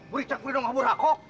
buricak boleh dong aku buat